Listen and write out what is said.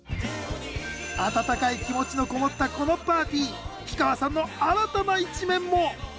温かい気持ちのこもったこのパーティー氷川さんの新たな一面も！